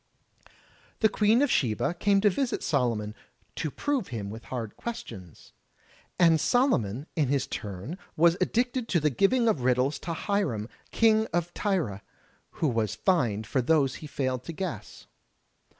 The Queen of Sheba came to visit Solomon, "to prove him with hard questions." And Solomon, in his turn was addicted to the giving of riddles to Hiram, King of T)rre, who was fined for those he failed to guess.